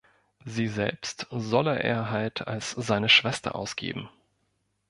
Sie selbst solle er halt als seine Schwester ausgeben.